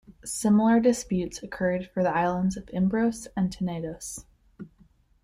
Similar disputes occurred for the islands of Imbros and Tenedos.